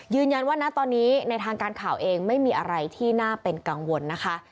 ณตอนนี้ในทางการข่าวเองไม่มีอะไรที่น่าเป็นกังวลนะคะ